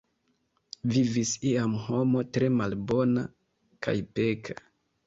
Vivis iam homo tre malbona kaj peka.